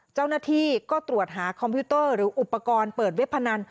เจ้าหน้าที่ก็ตรวจหาคอมพิวเตอร์หรืออุปกรณ์เปิดเว็บพนัน